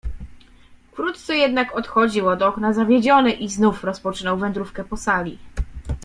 "Wkrótce jednak odchodził od okna zawiedziony i znów rozpoczynał wędrówkę po sali."